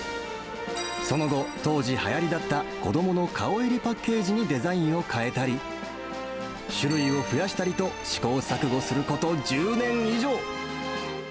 その後、当時、はやりだった子どもの顔入りパッケージにデザインを変えたり、種類を増やしたりと、試行錯誤すること１０年以上。